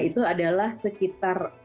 itu adalah sekitar